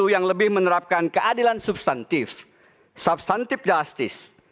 yang lebih menerapkan keadilan substantif substantif justice